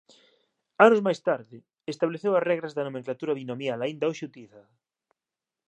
Anos máis tarde estableceu as regras da nomenclatura binomial aínda hoxe utilizada